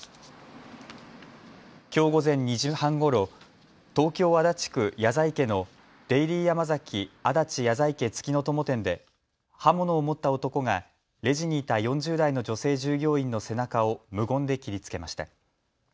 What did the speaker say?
きょう午前２時半ごろ、東京足立区谷在家のデイリーヤマザキ足立谷在家月の友店で刃物を持った男がレジにいた４０代の女性従業員の背中を無言で切りつけました。